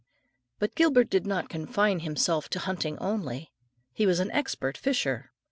But Gilbert did not confine himself to hunting only; he was an expert fisher.